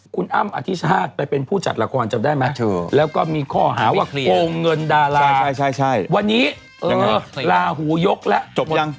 คุณอ้ำอธิชาติไปเป็นผู้จัดละครจำได้ไหมแล้วก็มีข้อหาว่าโกงเงินดาราวันนี้ลาหูยกแล้วจบยัง